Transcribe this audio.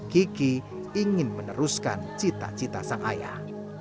kiki ingin meneruskan cita cita sang ayah